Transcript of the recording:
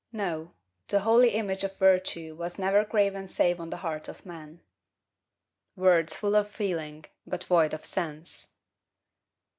No; the holy image of virtue was never graven save on the heart of man." Words full of feeling, but void of sense.